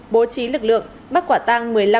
bố trí lực lượng bắt quả tăng một mươi năm triệu đồng